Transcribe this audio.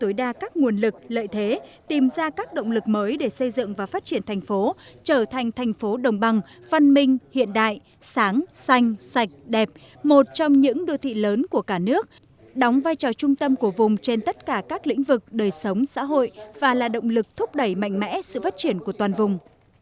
tối đa các nguồn lực lợi thế tìm ra các động lực mới để xây dựng và phát triển thành phố trở thành thành phố đồng bằng văn minh hiện đại sáng xanh sạch đẹp một trong những đô thị lớn của cả nước đóng vai trò trung tâm của vùng trên tất cả các lĩnh vực đời sống xã hội và là động lực thúc đẩy mạnh mẽ sự phát triển của toàn vùng